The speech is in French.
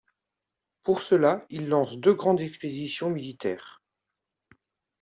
Pour cela, il lance deux grandes expéditions militaires.